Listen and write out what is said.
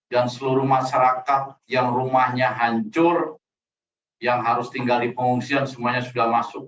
dan seluruh masyarakat yang rumahnya hancur yang harus tinggal di pengungsian semuanya sudah masuk